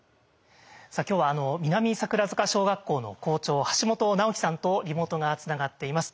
さあ今日は南桜塚小学校の校長橋本直樹さんとリモートがつながっています。